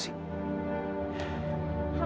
aku minta kamu jangan deketin aku lagi